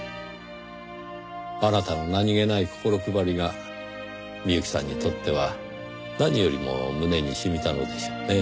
あなたの何げない心配りが美由紀さんにとっては何よりも胸に染みたのでしょうねぇ。